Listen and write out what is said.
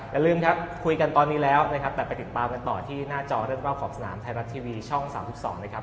อย่าลืมครับคุยกันตอนนี้แล้วนะครับแต่ไปติดตามกันต่อที่หน้าจอเรื่องรอบขอบสนามไทยรัฐทีวีช่อง๓๒นะครับ